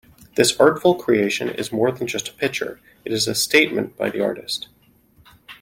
This artful creation is more than just a picture, it's a statement by the artist.